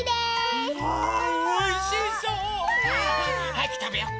はやくたべよう。